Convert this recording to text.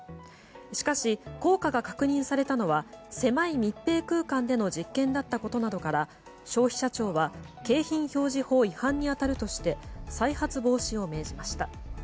しかし、効果が確認されたのは狭い密閉空間での実験だったことなどから消費者庁は景品表示法違反に当たるなどとして再発防止を命じました。